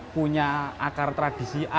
punya akar tradisi